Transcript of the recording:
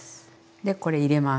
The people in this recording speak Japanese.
でこれ入れます。